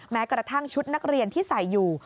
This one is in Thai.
แม้กระทั่งชุดนักเรียนที่ใส่อยู่